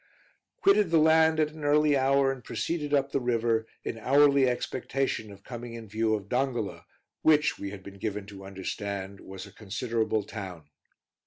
Quitted the land at an early hour and proceeded up the river, in hourly expectation of coming in view of Dongola, which we had been given to understand was a considerable town.